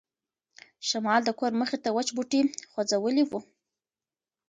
شمال د کور مخې ته وچ بوټي خوځولي وو.